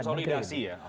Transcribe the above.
tapi konsolidasi ya